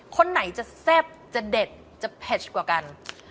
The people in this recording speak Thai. คนไหนจะแซ่บจะเด็ดจะเผ็ดกว่ากัน